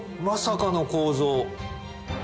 まさかの構造。